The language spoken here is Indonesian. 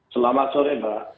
selamat sore mbak